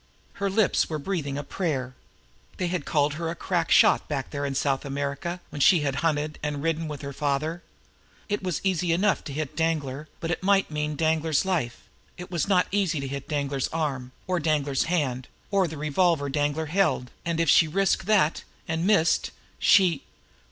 Her lips were breathing a prayer. They had called her a crack shot back there in South America, when she had hunted and ridden with her father. It was easy enough to hit Danglar, but that might mean Danglar's life; it was not so easy to hit Danglar's arm, or Danglar's hand, or the revolver Danglar held, and if she risked that and missed, she...